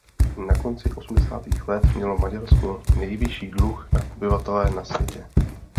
Na konci osmdesátých let mělo Maďarsko nejvyšší dluh na obyvatele na světě.